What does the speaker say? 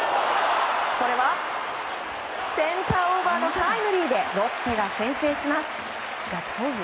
センターオーバーのタイムリーでロッテが先制します。